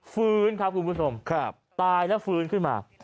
ฟื้นครับคุณผู้ชมตายแล้วฟื้นขึ้นมา